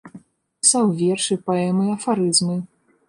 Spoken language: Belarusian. Пісаў вершы, паэмы, афарызмы.